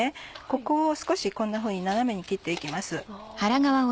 ここを少しこんなふうに斜めに切って行きます。